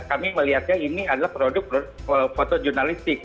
kami melihatnya ini adalah produk foto jurnalistik